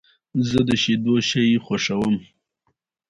سړک د ژوند یو مهم اړخ دی.